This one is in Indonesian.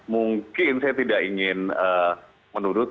mungkin saya tidak ingin menurut